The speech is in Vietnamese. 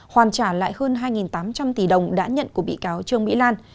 hoàn trả lại hơn hai tám trăm linh tỷ đồng đã nhận của bị cáo trương mỹ lan